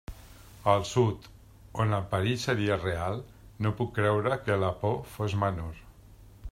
Al Sud, on el perill seria real, no puc creure que la por fos menor.